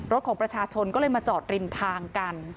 ของประชาชนก็เลยมาจอดริมทางกัน